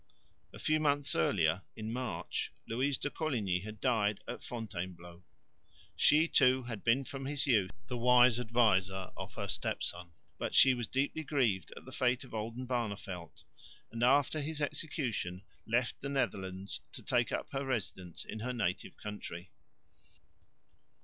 A few months earlier (March) Louise de Coligny had died at Fontainebleau. She too had been from his youth the wise adviser of her step son, but she was deeply grieved at the fate of Oldenbarneveldt, and after his execution left the Netherlands to take up her residence in her native country.